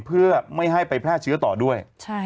เพื่อไม่ให้ไปแพร่เชื้อต่อด้วย